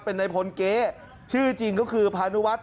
เป็นนายพลเก๊ชื่อจริงก็คือพานุวัฒน